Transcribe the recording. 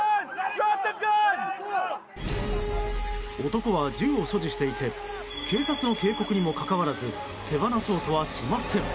男は銃を所持していて警察の警告にもかかわらず手放そうとはしません。